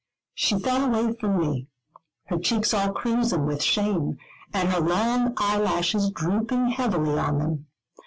She fell away from me, her cheeks all crimson with shame, and her long eyelashes drooping heavily on them.